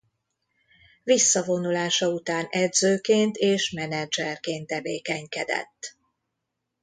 Visszavonulása után edzőként és menedzserként tevékenykedett.